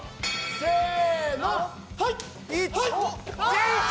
せの！